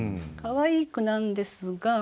かわいい句なんですが。